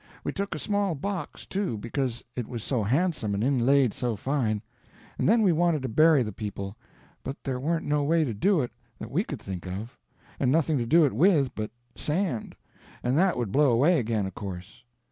We took a small box, too, because it was so handsome and inlaid so fine; and then we wanted to bury the people; but there warn't no way to do it that we could think of, and nothing to do it with but sand, and that would blow away again, of course.